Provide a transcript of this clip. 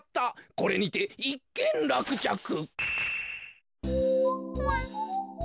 これにていっけんらくちゃく。